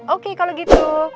oke kalau gitu